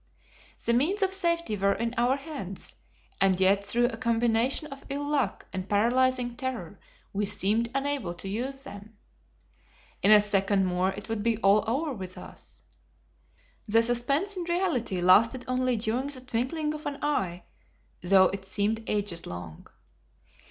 The means of safety were in our hands, and yet through a combination of ill luck and paralyzing terror we seemed unable to use them. In a second more it would be all over with us. The suspense in reality lasted only during the twinkling of an eye, though it seemed ages long.